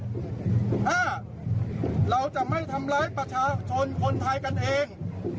ห้าเราจะไม่ทำร้ายประชาชนคนไทยกันเอง